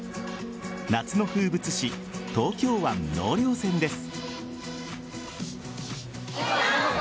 夏の風物詩・東京湾納涼船です。